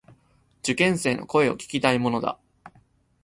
受験生の声を聞きたいものだ。